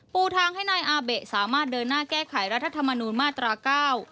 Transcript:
ปูทางให้นายอาเบะสามารถเดินหน้าแก้ไขรัฐธรรมนูญมาตราเก้า